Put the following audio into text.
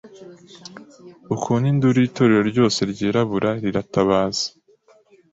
Ukuntu induru yitorero ryose ryirabura riratabaza